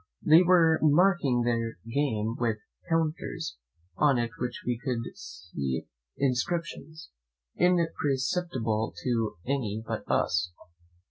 They were marking their game with counters, on which we could see inscriptions, imperceptible to any but us.